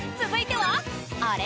続いては